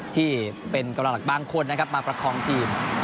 ที่เป็นกำลังหลักบางคนนะครับมาประคองทีม